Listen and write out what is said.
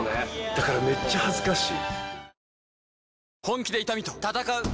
だからめっちゃ恥ずかしい。